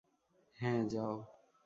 হ্যাঁ, যাও!